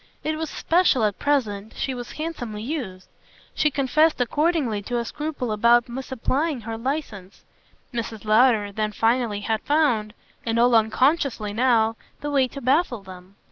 It was special at present she was handsomely used; she confessed accordingly to a scruple about misapplying her licence. Mrs. Lowder then finally had found and all unconsciously now the way to baffle them.